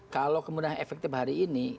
kalau kemudian efektif hari ini